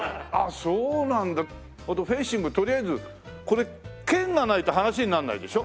フェンシングとりあえずこれ剣がないと話になんないでしょ？